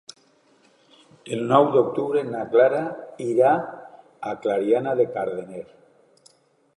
El nou d'octubre na Clara irà a Clariana de Cardener.